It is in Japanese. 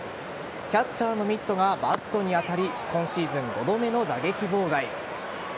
キャッチャーのミットがバットに当たり今シーズン５度目の打撃妨害。